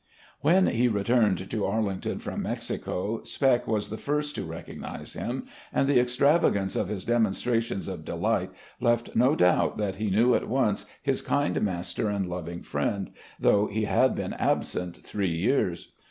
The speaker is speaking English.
.. When he returned to Arlington from Mexico, Spec was the first to recognise him, and the extravagance of his demonstrations of delight left no doubt that he knew at once his kind master and loving friend, though he had been absent three years.